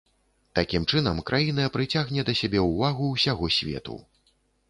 Такім чынам, краіна прыцягне да сябе ўвагу ўсяго свету.